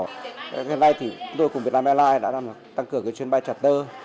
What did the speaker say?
ngày nay thì tôi cùng việt nam airlines đã tăng cường cái chuyến bay charter